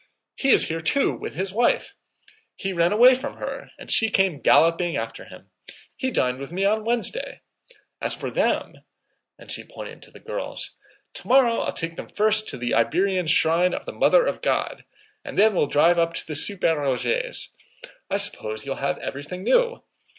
He is here too, with his wife. He ran away from her and she came galloping after him. He dined with me on Wednesday. As for them"—and she pointed to the girls—"tomorrow I'll take them first to the Iberian shrine of the Mother of God, and then we'll drive to the Super Rogue's. I suppose you'll have everything new.